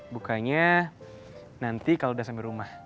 bukanya nanti kalau udah sampai rumah